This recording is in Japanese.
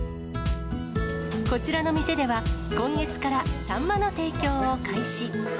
こちらの店では、今月からサンマの提供を開始。